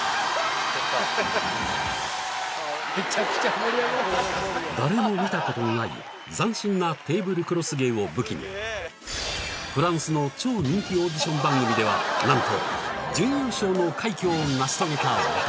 こちら誰も見たことのないを武器にフランスの超人気オーディション番組では何と準優勝の快挙を成し遂げた男